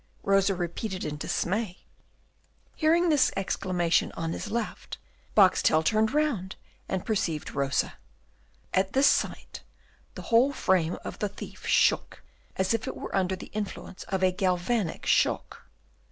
Rosa repeated in dismay. Hearing this exclamation on his left, Boxtel turned round, and perceived Rosa. At this sight the whole frame of the thief shook as if under the influence of a galvanic shock.